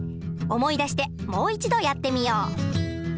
思い出してもう一度やってみよう。